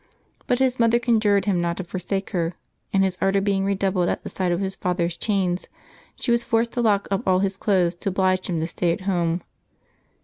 But his mother conjured him not to forsake her, and his ardor being redoubled at the sight of his father's chains, she was forced to lock up all his clothes to oblige him to stay at home.